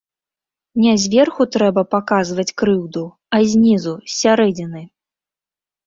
Не зверху трэба паказваць крыўду, а знізу, з сярэдзіны.